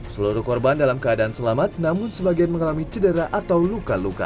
seluruh korban dalam keadaan selamat namun sebagian mengalami cedera atau luka luka